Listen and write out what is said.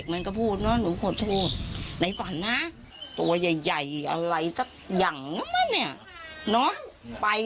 มันตกบ่อน้าบ้านนะเราก็ดึงมันขึ้นไป